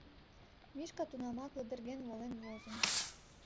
Мишка тунамак лыдырген волен возын.